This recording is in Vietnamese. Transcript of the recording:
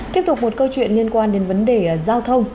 tiếp tục một câu chuyện liên quan đến vấn đề giao thông